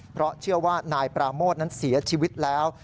เพราะเชื่อว่านายปราโมทนั้นเสียชีวิตแล้ว